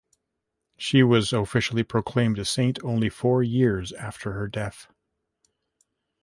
She was officially proclaimed a saint only four years after her death.